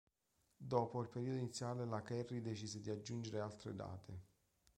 Dopo il periodo iniziale, la Carey decise di aggiungere altre date.